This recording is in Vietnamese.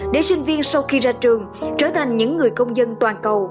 để sinh viên sau khi ra trường trở thành những người công dân toàn cầu